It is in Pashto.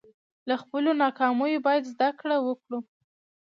له خپلو ناکامیو باید زده کړه وکړو.